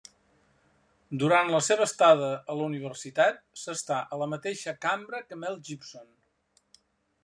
Durant la seva estada a la universitat, s'està a la mateixa cambra que Mel Gibson.